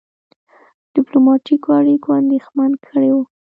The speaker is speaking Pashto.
ډيپلوماټیکو اړیکو اندېښمن کړی وو.